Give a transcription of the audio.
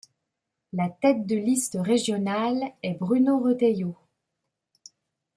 La tête de liste régionale est Bruno Retailleau.